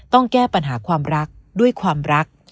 แก้ปัญหาความรักด้วยความรัก